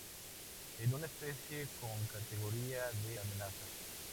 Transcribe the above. Es una especie con categoría de amenaza.